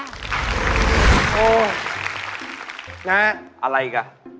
โอ๊ยนะกะอย่างไรล่ะ